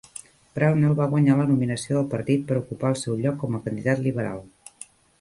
Brownell va guanyar la nominació del partit per ocupar el seu lloc com a candidat liberal.